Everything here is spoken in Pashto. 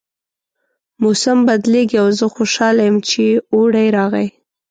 موسم بدلیږي او زه خوشحاله یم چې اوړی راغی